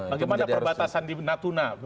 bagaimana perbatasan di natuna